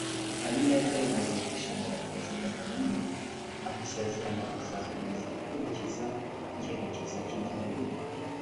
Habineza yongeye gushimira Perezida Kagame amusezeranya kuzakomeza gukurikiza icyerekezo cy’igihugu